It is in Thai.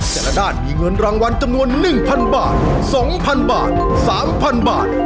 แต่ละด้านมีเงินรางวัลจำนวน๑๐๐บาท๒๐๐บาท๓๐๐บาท